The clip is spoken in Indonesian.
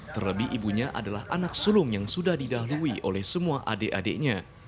terlebih ibunya adalah anak sulung yang sudah didahului oleh semua adik adiknya